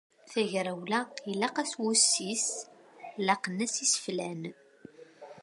Tagrawla ilaq-as wussis, laqen-as iseflan.